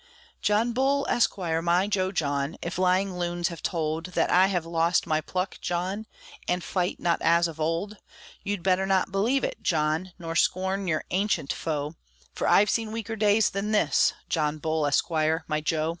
John Bull, Esquire, my jo John, If lying loons have told That I have lost my pluck, John, And fight not as of old; You'd better not believe it, John, Nor scorn your ancient foe; For I've seen weaker days than this, John Bull, Esquire, my jo.